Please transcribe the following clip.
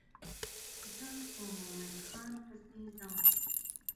زه په مومن خان پسې ځم.